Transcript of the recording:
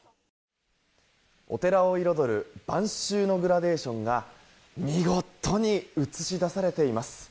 お寺を彩る晩秋のグラデーションが見事に映し出されています。